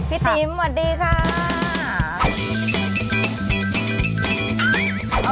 ติ๋มสวัสดีค่ะ